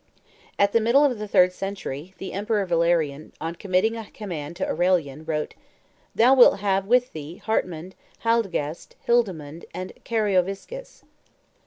At the middle of the third century, the Emperor Valerian, on committing a command to Aurelian, wrote, "Thou wilt have with thee Hartmund, Haldegast, Hildmund, and Carioviscus."